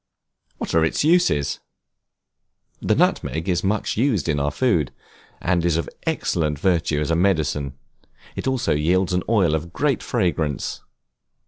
What are its uses? The nutmeg is much used in our food, and is of excellent virtue as a medicine. It also yields an oil of great fragrance.